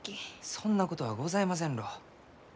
そんなことはございませんろう。